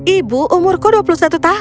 ibu umurku dua puluh satu tahun